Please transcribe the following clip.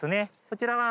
こちらは。